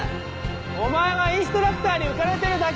お前はインストラクターに浮かれてるだけだろ！